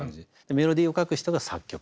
メロディーを書く人が作曲家。